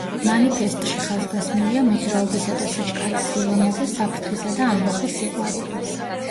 მანიფესტში ხაზგასმულია მოძრაობისა და სიჩქარის სილამაზე, საფრთხისა და ამბოხის სიყვარული.